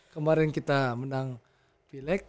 kemarin kita menang pilek